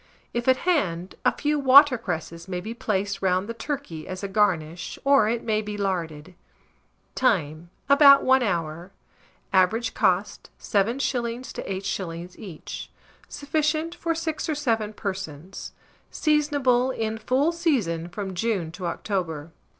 If at hand, a few water cresses may be placed round the turkey as a garnish, or it may be larded. Time. About 1 hour. Average cost, 7s. to 8s. each. Sufficient for 6 or 7 persons. Seasonable. In full season from June to October.